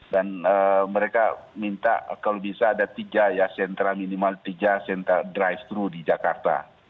dan mereka minta kalau bisa ada tiga ya sentra minimal tiga sentra drive thru di jakarta